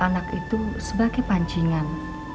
anak itu sebagai pancingan